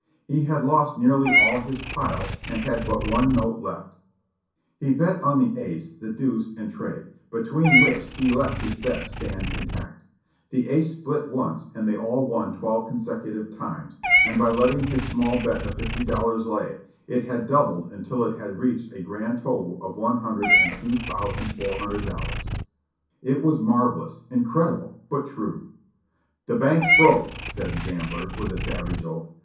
He had lost nearly all his pile, and had but one note left ; he bet on the ace, the deuce and tray, between which he left his bets stand intact; the ace split once and they all won twelve consecutive times, and by let 6o4 JOHNNY REB AND BII^LY YANK ting his small bet of fifty dollars lay, it had doubled until it had reached the grand total of one hundred and two thousand four hundred dollars. It was marvelous — incredible, but true. "The bank's broke !" said the gambler, with a savage oath.